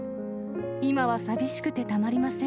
今は寂しくてたまりません。